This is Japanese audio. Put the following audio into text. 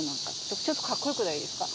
ちょっとかっこよくないですか？